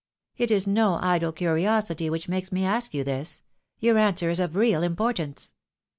It is no idle curiosity which makes me ask you this : your answer is of real importance."